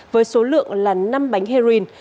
với số lượng là năm bánh heroin